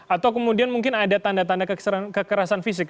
atau kemudian mungkin ada tanda tanda kekerasan fisik